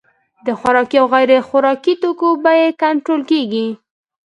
د خوراکي او غیر خوراکي توکو بیې کنټرول کیږي.